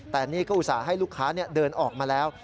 แต่นี่ก็อุตส่าห์ให้ลูกค้าเดินออกมาแล้ว